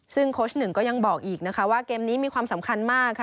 ซึ่งโค้ชหนึ่งก็ยังบอกอีกนะคะว่าเกมนี้มีความสำคัญมากค่ะ